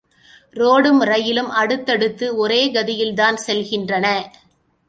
ரோடும் ரயிலும் அடுத்தடுத்து ஒரே கதியில்தான் செல்கின்றன.